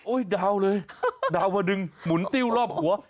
ดาวเลยดาวมาดึงหมุนติ้วรอบหัว